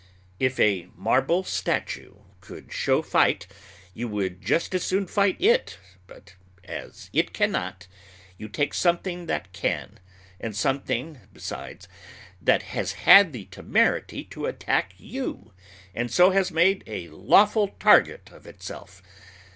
If a marble statue could show fight you would just as soon fight it; but as it can not, you take something that can, and something, besides, that has had the temerity to attack you, and so has made a lawful target of itself.